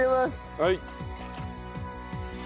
はい。